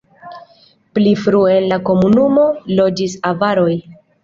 Pli frue en la komunumo loĝis avaroj.